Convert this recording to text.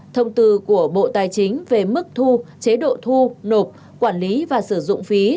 thông tư của bộ tài chính về mức thu chế độ thu nộp quản lý và sử dụng phí